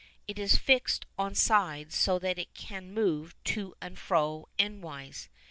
It is fixed on slides so that it can move to and fro endwise.